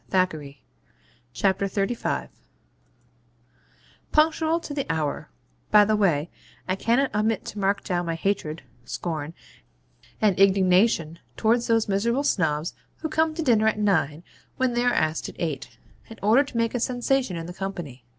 CHAPTER XXXV SNOBS AND MARRIAGE Punctual to the hour (by the way, I cannot omit to mark down my hatred, scorn, and indignation towards those miserable Snobs who come to dinner at nine when they are asked at eight, in order to make a sensation in the company.